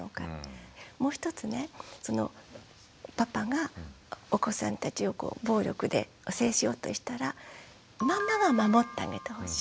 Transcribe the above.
もう一つねパパがお子さんたちを暴力で制しようとしたらママは守ってあげてほしい。